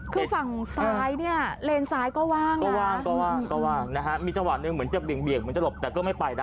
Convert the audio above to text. คือฝั่งซ้ายเนี่ยเลนซ้ายก็ว่างนะมีจังหวะนึงเหมือนจะเบี่ยงเบี่ยงเหมือนจะหลบแต่ก็ไม่ไปนะ